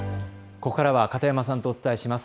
ここからは片山さんとお伝えします。